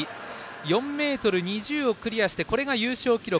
４ｍ２０をクリアしてこれが優勝記録。